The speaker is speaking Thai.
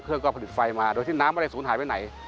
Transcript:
เครื่องก็ผลิตไฟมาโดยที่น้ำอะไรสูงหายไปไหน